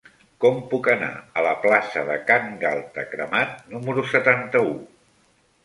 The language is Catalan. Com puc anar a la plaça de Can Galta Cremat número setanta-u?